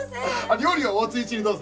料理はお熱いうちにどうぞ。